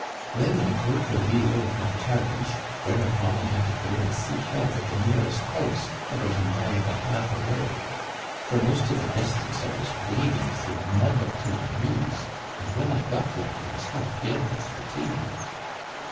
Then I broke a wheel of my carriage, whereupon I had to go and seek help at the nearest house, about a mile and a half away. For most of the distance I was wading through mud up to my knees, and when I got there I was half dead with fatigue."